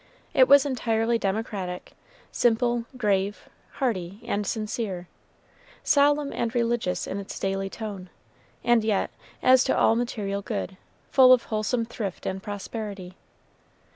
It was entirely democratic, simple, grave, hearty, and sincere, solemn and religious in its daily tone, and yet, as to all material good, full of wholesome thrift and prosperity.